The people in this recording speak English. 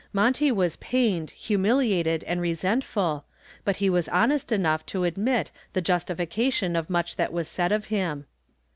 Monty was pained, humiliated and resentful, but he was honest enough to admit the justification of much that was said of him.